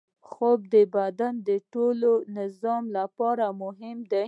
خوب د بدن د ټول نظام لپاره مهم دی